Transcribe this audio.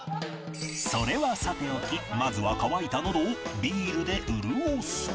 それはさておきまずは乾いたのどをビールで潤す